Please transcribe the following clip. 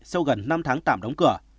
sau gần năm tháng tạm đóng cửa